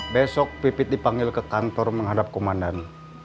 besok pipit dipanggil ke kantor menghadap komandan